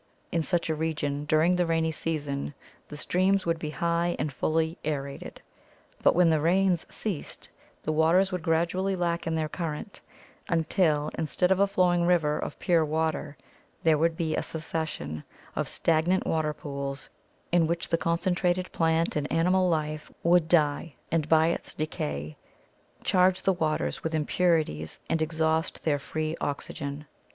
In such a region during the rainy season the streams would be high and fully aerated, but when the rains ceased the waters would gradually slacken their current until instead of a flowing river of pure water there would be a succession of stagnant water pools in which the con centrated plant and animal life would die and by its decay charge the waters with impurities and exhaust their free oxygen.